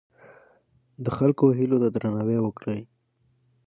د خلکو هیلو ته درناوی وکړئ.